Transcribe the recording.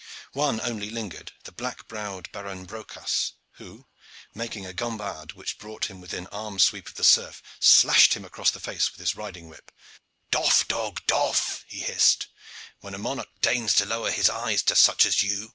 One only lingered, the black browed Baron Brocas, who, making a gambade which brought him within arm sweep of the serf, slashed him across the face with his riding whip. "Doff, dog, doff," he hissed, "when a monarch deigns to lower his eyes to such as you!"